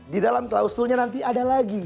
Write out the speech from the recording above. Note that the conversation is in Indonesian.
di dalam klausulnya nanti ada lagi